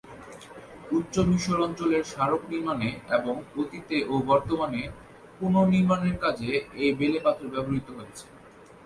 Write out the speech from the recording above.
উচ্চ মিশর অঞ্চলের স্মারক নির্মাণে এবং অতীতে ও বর্তমানে পুনর্নির্মাণের কাজে এই বেলেপাথর ব্যবহৃত হয়েছে।